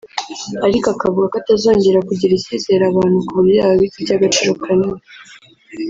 ariko akavuga ko atazongera kugirira icyizere abantu ku buryo yababitsa iby’agaciro kanini